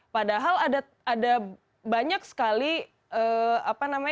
padahal ada banyak sekali